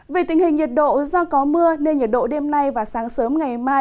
về tình hình nhiệt độ do có mưa nên nhiệt độ đêm nay và sáng sớm ngày mai